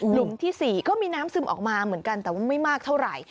หุมที่๔ก็มีน้ำซึมออกมาเหมือนกันแต่ว่าไม่มากเท่าไหร่